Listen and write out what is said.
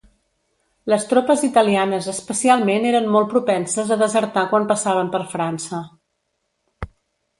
Les tropes italianes especialment eren molt propenses a desertar quan passaven per França.